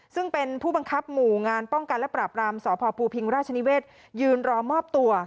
ซึ่งเป็นผู้บังคับหมู่งานป้องกันและปราบรามสพภูพิงราชนิเวศยืนรอมอบตัว